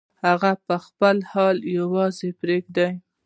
یا هغه په خپل حال یوازې پرېږدو.